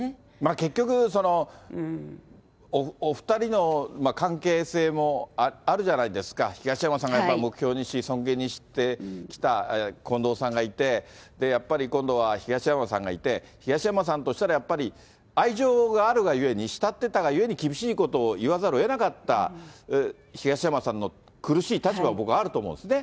結局、お２人の関係性もあるじゃないですか、東山さんがやっぱり目標にし、尊敬してきた近藤さんがいて、やっぱり今度は、東山さんがいて、東山さんとしたらやっぱり、愛情があるがゆえに、慕ってたがゆえに、厳しいことを言わざるをえなかった、東山さんの苦しい立場も僕はあると思うんですね。